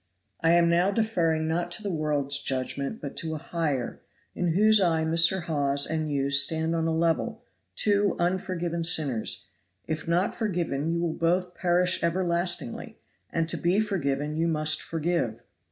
I am now deferring not to the world's judgment but to a higher, in whose eye Mr. Hawes and you stand on a level two unforgiven sinners; if not forgiven you will both perish everlastingly, and to be forgiven you must forgive.